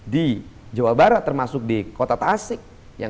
di jawa barat termasuk di kota tasik